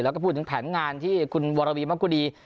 แล้วก็พูดถึงแผนงานที่คุณวรวีมะกุดี